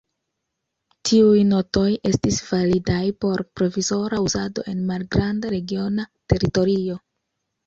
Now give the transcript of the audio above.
Tiuj notoj estis validaj por provizora uzado en malgranda regiona teritorio.